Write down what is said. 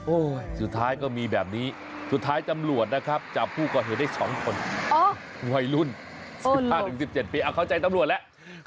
สุดท้ายก็มีแบบนี้สุดท้ายตำรวจนะครับจับผู้ก่อเหตุได้๒คนวัยรุ่น๑๕๑๗ปีเอาเข้าใจตำรวจแล้ว